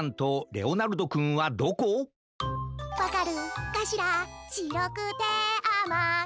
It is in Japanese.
「わかるかしら白くてあまい」